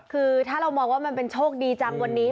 คือถ้าเรามองว่ามันเป็นโชคดีจังวันนี้